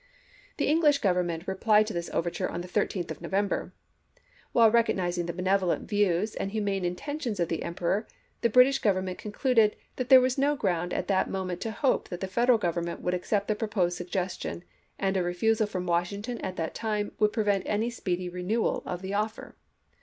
The English Government replied to this overture on the 13th of November. 1862. While recognizing the benevolent views and hu mane intentions of the Emperor, the British Gov ernment concluded that there was no ground at that moment to hope that the Federal Government would accept the proposed suggestion, and a refusal from Washington at that time would prevent any speedy renewal of the offer.